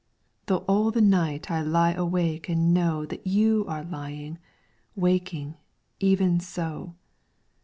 Though all the night I lie awake and know That you are lying, waking, even so.